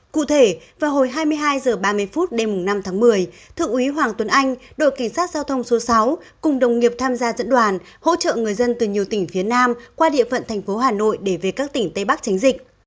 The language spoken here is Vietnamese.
cụ thể vào hồi hai mươi hai h ba mươi phút đêm năm tháng một mươi thượng úy hoàng tuấn anh đội cảnh sát giao thông số sáu cùng đồng nghiệp tham gia dẫn đoàn hỗ trợ người dân từ nhiều tỉnh phía nam qua địa phận thành phố hà nội để về các tỉnh tây bắc tránh dịch